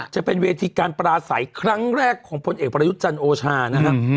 จะเป็นเวทีการปราศัยครั้งแรกของพลเอกประยุทธ์จันทร์โอชานะครับ